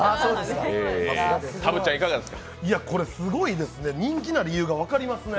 これ、すごいですね人気の理由が分かりますね。